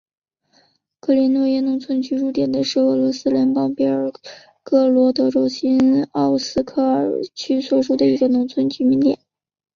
格林诺耶农村居民点是俄罗斯联邦别尔哥罗德州新奥斯科尔区所属的一个农村居民点。